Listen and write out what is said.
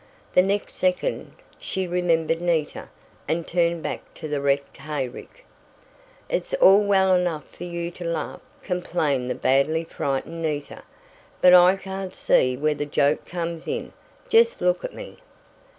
The next second she remembered Nita, and turned back to the wrecked hayrick. "It's all well enough for you to laugh," complained the badly frightened Nita, "but I can't see where the joke comes in. Just look at me!"